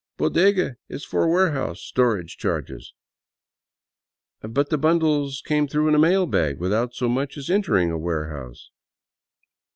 Bodega is for warehouse storage charges —"" But the bundles came through in a mail bag, without so much as entering a warehouse."